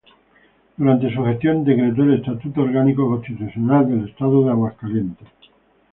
Durante su gestión decretó el Estatuto Orgánico Constitucional del Estado de Aguascalientes.